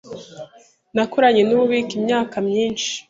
Nakoranye nububiko imyaka myinshi.